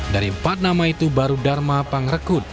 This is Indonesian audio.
dari empat nama itu baru dharma pangrekut